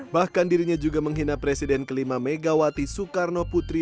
bahkan dirinya juga menghina presiden kelima megawati soekarno putri